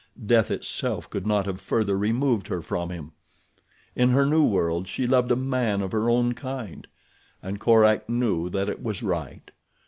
Death itself could not have further removed her from him. In her new world she loved a man of her own kind. And Korak knew that it was right.